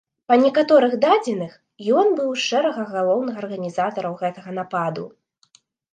Па некаторых дадзеных, ён быў у шэрагах галоўных арганізатараў гэтага нападу.